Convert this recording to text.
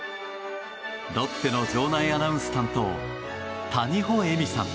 ロッテの場内アナウンス担当谷保恵美さん。